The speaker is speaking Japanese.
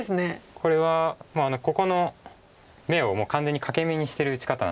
これはここの眼をもう完全に欠け眼にしてる打ち方なので。